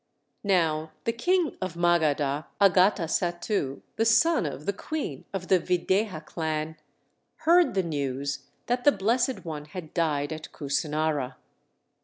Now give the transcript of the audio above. Now the king of Magadha, Agatasattu, the son of the queen of the Videha clan, heard the news that the Blessed One had died at Kusinara.